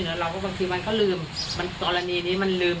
ลูกหลังเราติดมาอย่างนี้ใช่ไหม